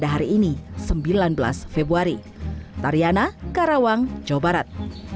hari ini sembilan belas februari tariana karawang jawa barat